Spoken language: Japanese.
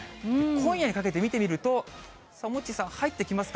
今夜にかけて見てみると、さあ、モッチーさん、入ってきますか？